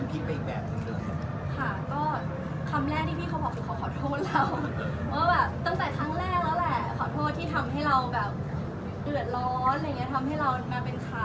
ตั้งแต่ครั้งแรกแล้วแหละขอโทษที่ทำให้เราเดือดร้อน